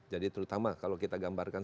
jadi terutama kalau kita gambarkan